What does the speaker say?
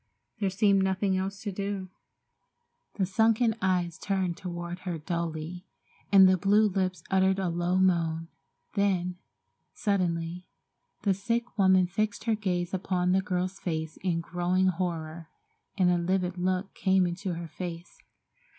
There seemed nothing else to do. The sunken eyes turned toward her dully, and the blue lips uttered a low moan, then, suddenly, the sick woman fixed her gaze upon the girl's face in growing horror, and a livid look came into her face.